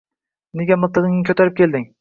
Nega miltig‘ingni ko‘tarib kelding?